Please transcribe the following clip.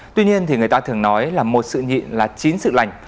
tuy nhiên thì người ta thường nói là một sự nhịn là chín sự lành